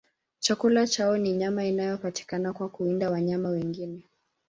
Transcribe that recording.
Chakula chao ni nyama inayopatikana kwa kuwinda wanyama wengine.